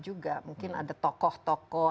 juga mungkin ada tokoh tokoh